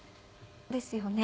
ですよね。